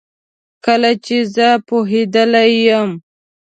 کله چي زه پوهیدلې یم